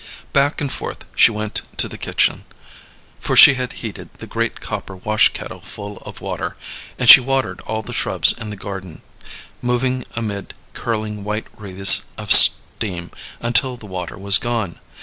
Back and forth she went to the kitchen; for she had heated the great copper wash kettle full of water; and she watered all the shrubs in the garden, moving amid curling white wreaths of steam, until the water was gone.